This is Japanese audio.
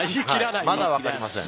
まだ分かりません。